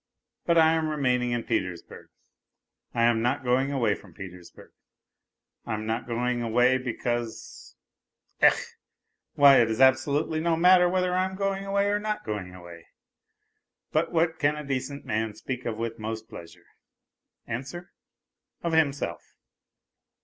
... But I am remaining in Peters burg ; I am not going away from Petersburg ! I am not going away because ... ech ! Why, it is absolutely no matter whether I am going away or not going away. g But what can a decent man speak of with most pleasure ? Answer : Of himself.